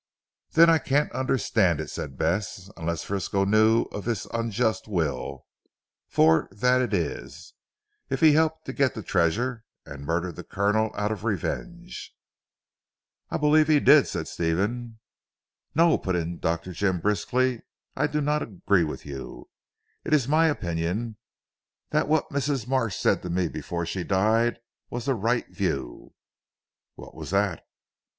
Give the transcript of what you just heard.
"Then I can't understand it," said Bess, "unless Frisco knew of this unjust will for that it is, if he helped to get the treasure and murdered the Colonel out of revenge." "I believe he did," said Stephen. "No!" put in Dr. Jim briskly, "I do not agree with you. It is my opinion that what Mrs. Marsh said to me before she died was the right view." "What was that?"